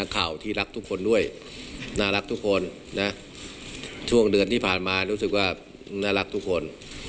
ช่วงเดือนที่ผ่านมารู้สึกว่าน่ารักทุกคน